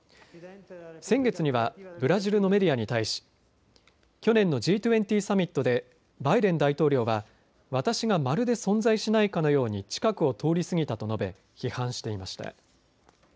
先月にはブラジルのメディアに対し、去年のＧ２０サミットでバイデン大統領は私がまるで存在しないかのように近くを通り過ぎたと述べ批判していました。